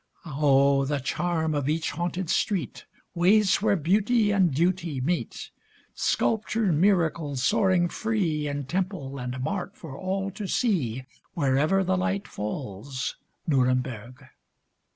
Oh, the charm of each haunted street, Ways where Beauty and Duty meet; Sculptured miracles soaring free In temple and mart for all to see, Wherever the light falls, Nuremberg!